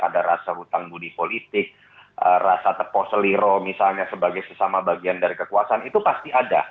ada rasa hutang budi politik rasa tepoh seliro misalnya sebagai sesama bagian dari kekuasaan itu pasti ada